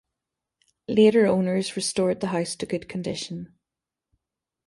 Later owners restored the house to good condition.